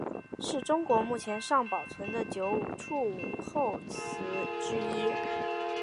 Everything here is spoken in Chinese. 是中国目前尚保存的九处武侯祠之一。